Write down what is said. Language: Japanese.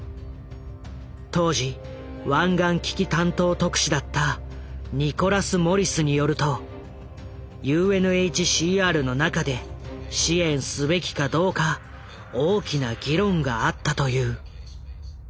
当時湾岸危機担当特使だったニコラス・モリスによるとＵＮＨＣＲの中で支援すべきかどうか大きな議論があったという。